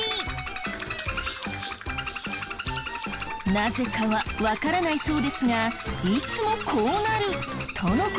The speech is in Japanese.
なぜかはわからないそうですがいつもこうなるとの事です。